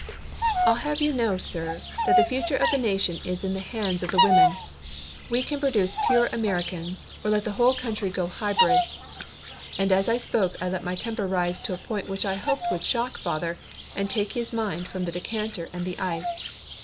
I'll have you know, sir, that the future of the nation is in the hands of the women. We can produce pure Americans or let the whole country go hybrid." And as I spoke I let my temper rise to a point which I hoped would shock father and take his mind from the decanter and the ice.